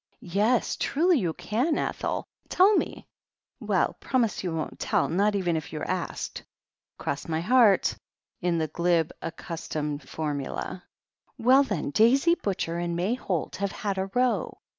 "Yes, truly you can, Ethel. Tell me." "Well, promise you won't tell. Not even if you're asked?" "Cross my heart *' in the glib, accustomed for mula. "Well, then, Daisy Butcher and May Holt have had a row.